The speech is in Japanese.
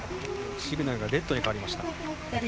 シグナルがレッドに変わりました。